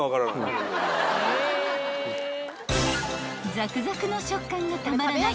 ［ザクザクの食感がたまらない］